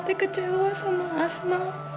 terkecewa sama asma